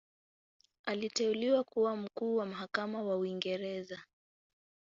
Aliteuliwa kuwa Mkuu wa Mahakama wa Uingereza.